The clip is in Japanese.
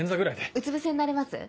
うつぶせになれます？